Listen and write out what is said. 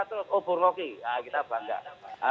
nah jalan apat kita baca terus